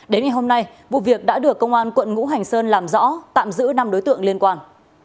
đến ngày hôm nay vụ việc đã được công an quận ngũ hành sơn làm rõ tạm giữ năm đối tượng liên quan